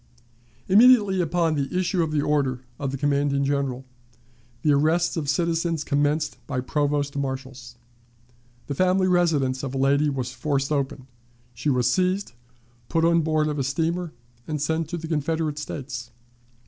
Immediately upon the issue of the order of the commanding General, the arrests of citizens commenced by provost marshals. The family residence of a lady was forced open; she was seized, put on board of a steamer, and sent to the Confederate States.